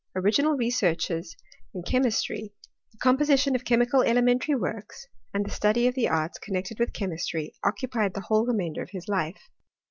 Original researches in chemistry, the composition of chemical elementary works, and the study of the arts connected with chemistry, occupied the whole remainder of his life.